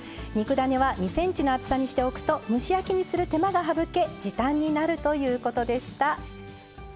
肉だねは２ｃｍの厚さにしておくと蒸し焼きにする手間が省け時短になるということでした。